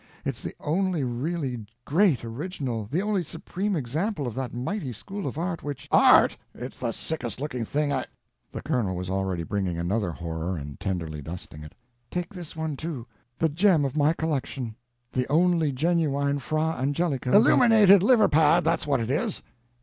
It's the only really great original, the only supreme example of that mighty school of art which—" "Art! It's the sickest looking thing I—" The colonel was already bringing another horror and tenderly dusting it. "Take this one too—the gem of my collection—the only genuine Fra Angelico that—" "Illuminated liver pad, that's what it is.